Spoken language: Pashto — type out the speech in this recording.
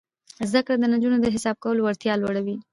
زده کړه د نجونو د حساب کولو وړتیا لوړوي.